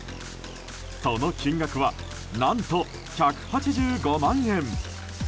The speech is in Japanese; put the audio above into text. その金額は、何と１８５万円。